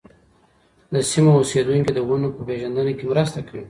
د سیمو اوسېدونکي د ونو په پېژندنه کې مرسته کوي.